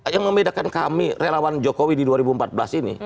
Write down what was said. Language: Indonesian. yang membedakan kami relawan jokowi di dua ribu empat belas ini